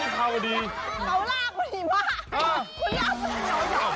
เขาลากพอดีมาก